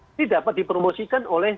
ini dapat dipromosikan oleh